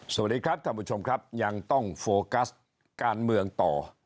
สวัสดีครับท่านผู้ชมครับยังต้องโฟกัสการเมืองต่อ